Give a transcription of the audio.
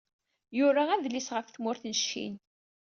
Yura adlis ɣef tmurt n Ccin.